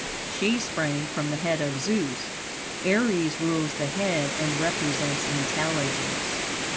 She sprang from the head of Zeus. Aries rules the head, and represents intelligence.